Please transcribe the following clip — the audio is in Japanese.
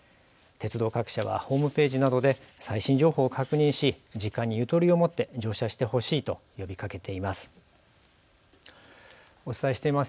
鉄道各社はホームページなどで最新情報を確認し時間にゆとりを持って乗車してほしいと呼びかけています。